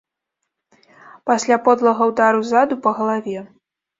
Пасля подлага ўдару ззаду па галаве.